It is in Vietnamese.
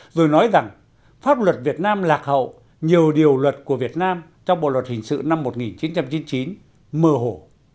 rồi nói rằng pháp luật việt nam lạc hậu nhiều điều luật của việt nam trong bộ luật hình sự năm một nghìn chín trăm chín mươi chín mơ hồ